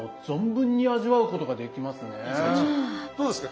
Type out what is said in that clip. どうですか？